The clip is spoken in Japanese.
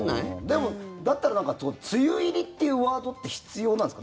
でも、だったら梅雨入りっていうワードって必要なんですか？